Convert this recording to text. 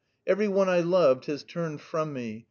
Every one I loved has turned from me.